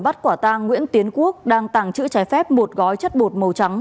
bắt quả tang nguyễn tiến quốc đang tàng trữ trái phép một gói chất bột màu trắng